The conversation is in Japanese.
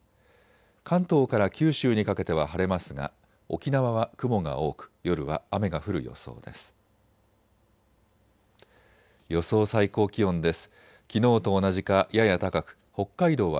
関東から九州にかけては晴れますが沖縄は雲が多く夜は雨が降る予想です。